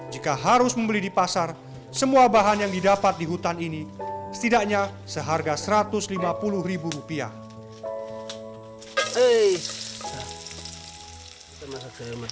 jika harus membeli di pasar semua bahan yang didapat di hutan ini setidaknya seharga satu ratus lima puluh ribu rupiah